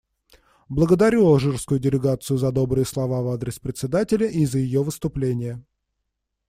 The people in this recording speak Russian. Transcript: Благодарю алжирскую делегацию за добрые слова в адрес Председателя и за ее выступление.